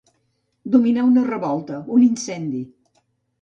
Dominar una revolta, un incendi.